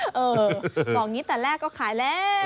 เออคือตอนนี้แต่แรกก็ขายแล้ว